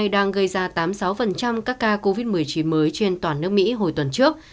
đang gây ra tám mươi sáu các ca covid một mươi chín mới trên toàn nước mỹ hồi tuần trước